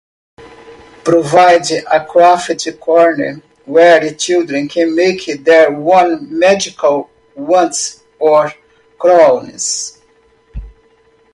Provide a craft corner where children can make their own magical wands or crowns.